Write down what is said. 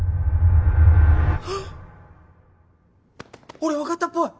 俺分かったっぽい。